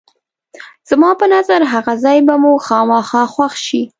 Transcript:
زما په نظر هغه ځای به مو خامخا خوښ شي.